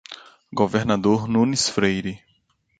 Governador Nunes Freire